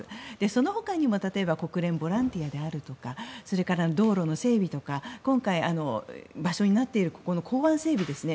そのほかにも、例えば国連ボランティアであるとかそれから、道路の整備とか今回、場所になっているここの港湾整備ですね。